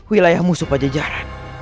wilayah musuh pajajaran